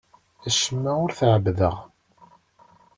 Acemma ur t-ɛebbdeɣ.